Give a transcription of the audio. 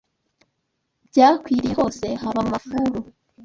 Byakwiriye hose haba mu mafuru